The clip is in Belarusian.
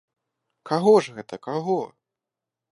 Каго ж гэта, каго?